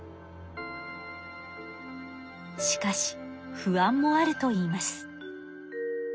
しかし不安もあるといいます。